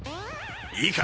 いいか？